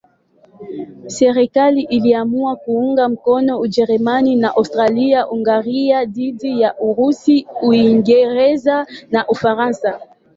Serikali iliamua kuunga mkono Ujerumani na Austria-Hungaria dhidi ya Urusi, Uingereza na Ufaransa.